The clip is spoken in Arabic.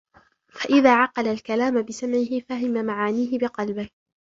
فَإِذَا عَقَلَ الْكَلَامَ بِسَمْعِهِ فَهِمَ مَعَانِيَهُ بِقَلْبِهِ